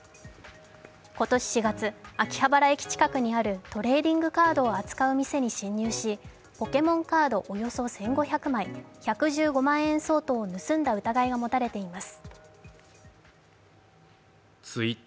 今年４月、秋葉原駅近くにあるトレーディングカードを扱う店に侵入し、ポケモンカードおよそ１５００枚、１１５万円相当を盗んだ疑いが持たれています。